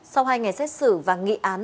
sau hai ngày xét xử và nghị án